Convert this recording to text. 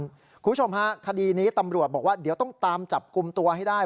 คุณผู้ชมฮะคดีนี้ตำรวจบอกว่าเดี๋ยวต้องตามจับกลุ่มตัวให้ได้